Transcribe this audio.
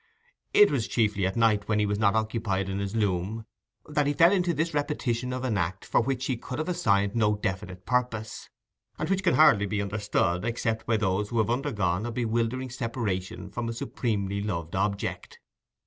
It was chiefly at night, when he was not occupied in his loom, that he fell into this repetition of an act for which he could have assigned no definite purpose, and which can hardly be understood except by those who have undergone a bewildering separation from a supremely loved object.